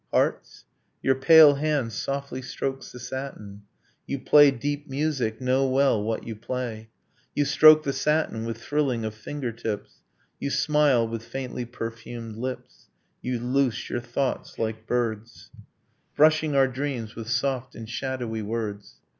Hearts? Your pale hand softly strokes the satin. You play deep music know well what you play. You stroke the satin with thrilling of finger tips, You smile, with faintly perfumed lips, You loose your thoughts like birds, Brushing our dreams with soft and shadowy words